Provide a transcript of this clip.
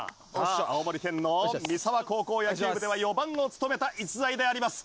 青森県の三沢高校野球部では４番を務めた逸材であります。